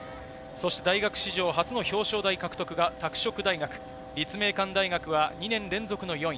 大学史上初の表彰台獲得は拓殖大学、立命館大学は２年連続の４位。